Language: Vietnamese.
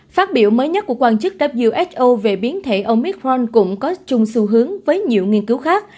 phát biểu mới nhất của quan chức who về biến thể omicron cũng có chung xu hướng với nhiều nghiên cứu khác